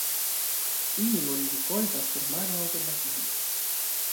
Ilin oni rikoltas per mano aŭ per maŝino.